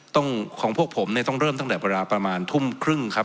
ของพวกผมเนี่ยต้องเริ่มตั้งแต่เวลาประมาณทุ่มครึ่งครับ